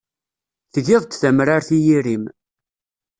Tgiḍ-d tamrart i yiri-m.